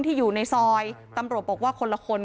ที่อยู่ในซอยตำรวจบอกว่าคนละคน